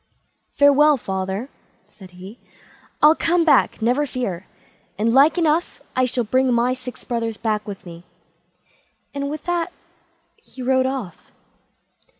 "Farewell, father", said he; "I'll come back, never fear, and like enough I shall bring my six brothers back with me"; and with that he rode off.